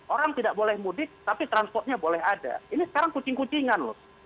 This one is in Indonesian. orang tidak boleh mudik tapi transportnya boleh ada ini sekarang kucing kucingan loh